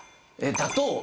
だと。